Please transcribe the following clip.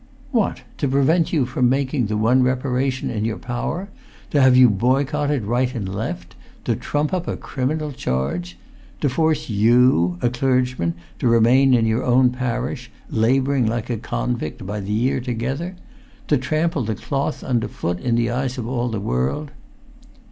"What! To prevent you from making the one reparation in your power? To have you boycotted right and left? To trump up a criminal charge? To force you, a clergyman, to remain in your own parish, labouring like a convict by the year together? To trample the cloth underfoot in the eyes of all the world?"